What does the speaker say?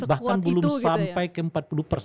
bahkan belum sampai ke empat puluh persen